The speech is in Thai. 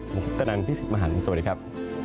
ผมคุณธนันทร์พิศิษฐ์มหารสวัสดีครับ